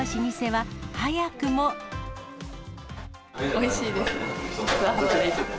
おいしいです。